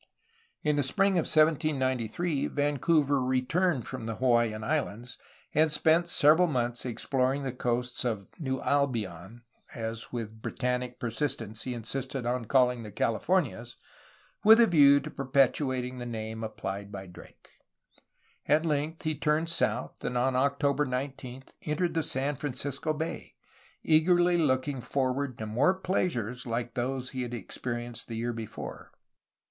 In the spring of 1793 Vancouver returned from the Ha waiian Islands, and spent several months exploring the coasts of '^New Albion,' ' as with Brittanic persistence he insisted upon calling the Californias, with a view to perpetuating the name applied by Drake. At length, he turned south and on October 19 entered San Francisco Bay, eagerly looking for ward to more pleasures like those he had experienced the year before.